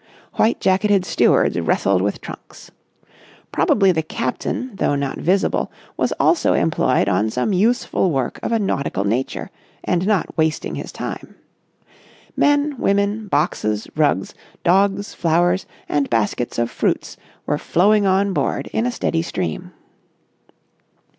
White jacketed stewards wrestled with trunks. Probably the captain, though not visible, was also employed on some useful work of a nautical nature and not wasting his time. Men, women, boxes, rugs, dogs, flowers, and baskets of fruits were flowing on board in a steady stream.